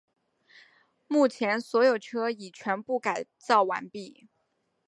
目前所有车已全部改造完毕。